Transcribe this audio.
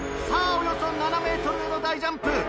さぁおよそ７ｍへの大ジャンプ。